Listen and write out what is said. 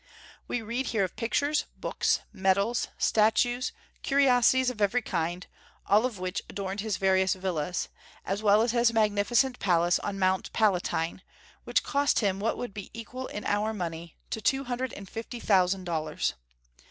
We read here of pictures, books, medals, statues, curiosities of every kind, all of which adorned his various villas, as well as his magnificent palace on Mount Palatine, which cost him what would be equal in our money to two hundred and fifty thousand dollars.